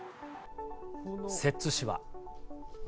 摂津市は。